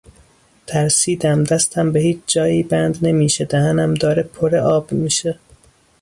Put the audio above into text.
ترسیدم، دستم به هیچ جایی بند نمیشه، دهنم داره پر آب میشه